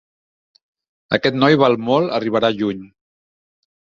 Aquest noi val molt: arribarà lluny.